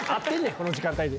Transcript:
この時間帯で。